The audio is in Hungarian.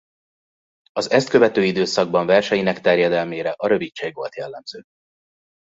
Az ezt követő időszakban verseinek terjedelmére a rövidség volt jellemző.